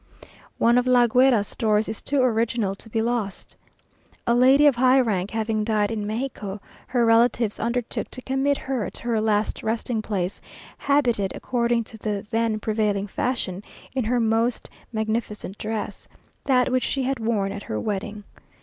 One of La Guera's stories is too original to be lost. A lady of high rank having died in Mexico, her relatives undertook to commit her to her last resting place, habited according to the then prevailing fashion, in her most magnificent dress, that which she had worn at her wedding.